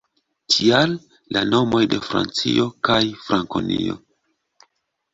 Tial, la nomoj de Francio kaj Frankonio.